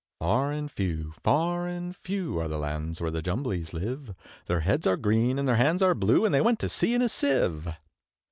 Far and few, far and few, Are the lands where the Jumblies live; Their heads are green, and their hands are blue, And they went to sea in a Sieve.